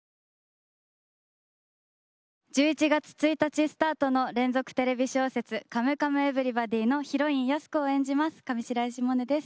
１１月１日スタートの連続テレビ小説「カムカムエヴリバディ」のヒロイン安子を演じます上白石萌音です。